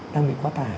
đang bị quá tải